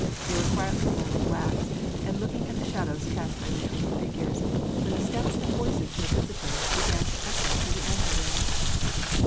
They were quietly moulding wax, and looking at the shadows cast by retreating figures, when the steps and voices of the visitors began to echo through the anteroom.